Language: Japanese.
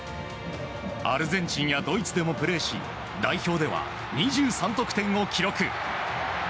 アルゼンチンやドイツでもプレーし代表では２３得点を記録。